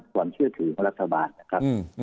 ความเชื่อถือของรัฐบาลนะครับ